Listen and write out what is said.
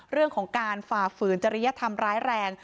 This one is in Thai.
เรื่องของการฝ่าฝืนจริยธรรมร้ายแรง